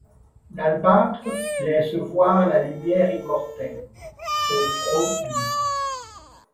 L'albâtre laisse voir la lumière immortelle, Son front luit